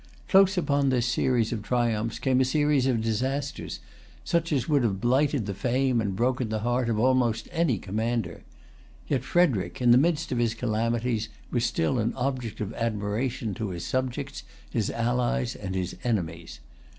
Close upon this series of triumphs came a series of disasters, such as would have blighted the fame and broken the heart of almost any other commander. Yet Frederic, in the midst of his calamities, was still an object of admiration to his subjects, his allies, and his enemies.